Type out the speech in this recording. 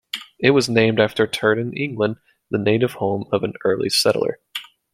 It was named after Turton, England, the native home of an early settler.